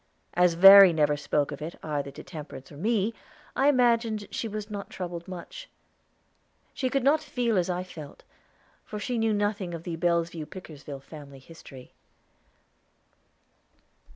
As Verry never spoke of it either to Temperance or me, I imagined she was not troubled much. She could not feel as I felt, for she knew nothing of the Bellevue Pickersgill family history.